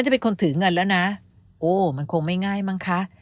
มันคงไม่ง่ายมั้งคะ